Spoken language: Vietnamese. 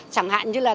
chẳng hạn như là